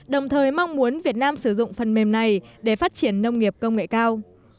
đồng thời mong muốn việt nam sử dụng phần mềm này để phát triển nông nghiệp công nghệ cao